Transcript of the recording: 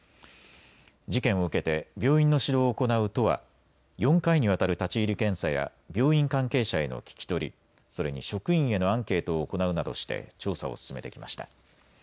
事件を受けて病院の指導を行う都は４回にわたる立ち入り検査や病院関係者への聞き取り、それに職員へのアンケートを行うなどして調査を進めてきました。